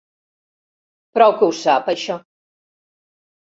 Prou que ho sap, això.